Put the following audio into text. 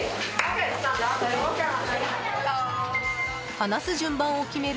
話す順番を決める